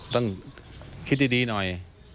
ต้องคิดดีหน่อย